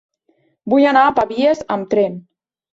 Vull anar a Pavies amb tren.